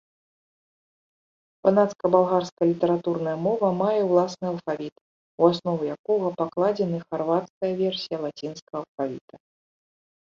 Банацка-балгарская літаратурная мова мае ўласны алфавіт, у аснову якога пакладзены харвацкая версія лацінскага алфавіта.